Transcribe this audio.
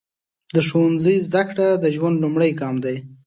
د ښوونځي زده کړه د ژوند لومړی ګام دی.